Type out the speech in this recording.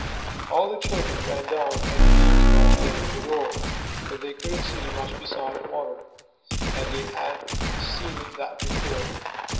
All the children ran down and peeked around the edge of the door, but they couldn't see much besides water, and they had seen that before.